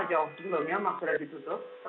sudah lama jauh sebelumnya masjidnya ditutup